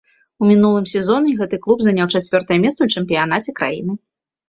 У мінулым сезоне гэты клуб заняў чацвёртае месца ў чэмпіянаце краіны.